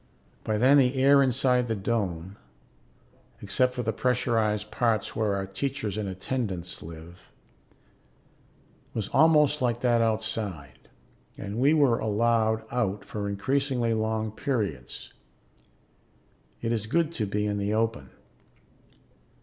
By then the air inside the dome except for the pressurized parts where our teachers and attendants live was almost like that outside, and we were allowed out for increasingly long periods. It is good to be in the open.